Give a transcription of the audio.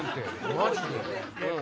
マジで。